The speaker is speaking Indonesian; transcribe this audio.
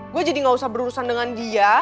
gue jadi gak usah berurusan dengan dia